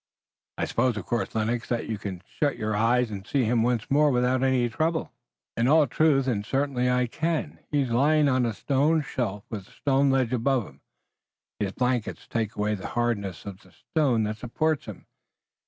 "I suppose of course, Lennox, that you can shut your eyes and see him once more without any trouble." "In all truth and certainty I can, Will. He is lying on a stone shelf with a stone ledge above him. His blanket takes away the hardness of the stone that supports him.